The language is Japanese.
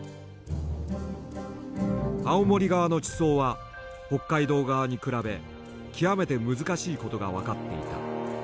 青森側の地層は北海道側に比べ極めて難しいことが分かっていた。